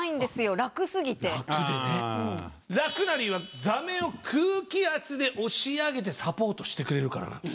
楽な理由は座面を空気圧で押し上げてサポートしてくれるからなんです。